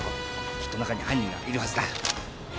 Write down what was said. きっと中に犯人がいるはずだ。